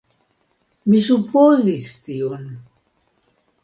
Mi supozis tion.